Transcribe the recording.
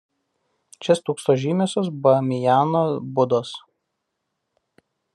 Čia stūksojo žymiosios Bamijano budos.